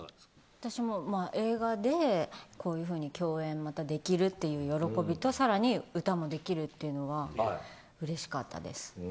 私も映画でこういうふうに共演、またできるという喜びとさらに歌もできるというのはうれしかったです。